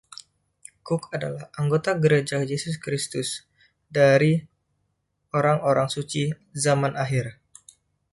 Cook adalah anggota Gereja Yesus Kristus dari Orang-Orang Suci Zaman Akhir.